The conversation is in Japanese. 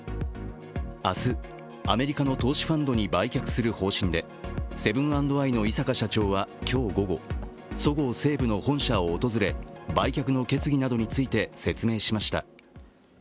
明日、アメリカの投資ファンドに売却する方針でセブン＆アイの井阪社長は今日午後、そごう・西武の本社を訪れ売却の決議などについて説明しました。